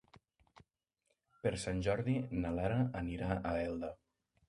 Per Sant Jordi na Lara anirà a Elda.